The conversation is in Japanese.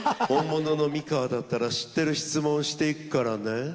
本物の美川だったら知ってる質問していくからね。